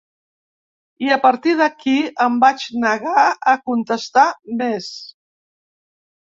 I a partir d’aquí em vaig negar a contestar més.